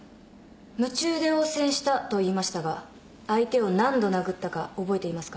「夢中で応戦した」と言いましたが相手を何度殴ったか覚えていますか。